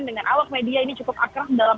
dengan awak media ini cukup akrab dalam